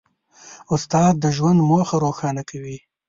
استاد د ژوند موخه روښانه کوي.